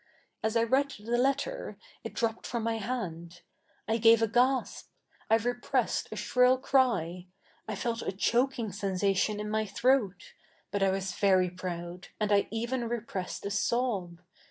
As I read the letter, it d7'0pped from my hand. I gave a gasp. I 7 ep7 essed a shrill C7y. I felt a choki7ig sensation in 7ny throat ; but I ivas ve7y proud, a7id I even rep7'essed a sob.